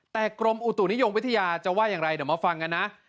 แต่กรมอุตุนิยมวิทยาจะว่าอย่างไรเดี๋ยวมาฟังกันนะ